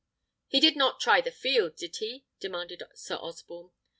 "He did not try the field, did he?" demanded Sir Osborne.